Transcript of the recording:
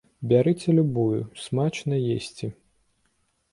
Бярыце любую, смачна есці!